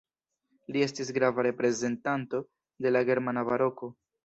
Li estis grava reprezentanto de la germana Baroko.